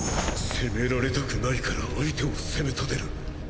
攻められたくないから相手を攻めたてる！